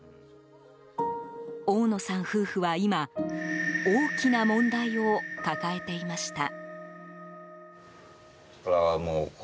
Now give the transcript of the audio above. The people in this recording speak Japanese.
大野さん夫婦は今大きな問題を抱えていました。